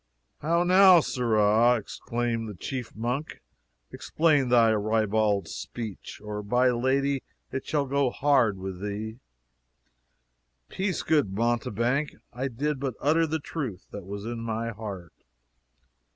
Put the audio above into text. "How now, sirrah!" exclaimed the chief monk, "explain thy ribald speech, or by'r Lady it shall go hard with thee." "Peace, good mountebank, I did but utter the truth that was in my heart.